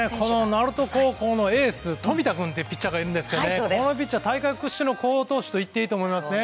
鳴門高校のエース冨田君っていうピッチャーがいるんですが大会屈指の好投手といっていいと思いますね。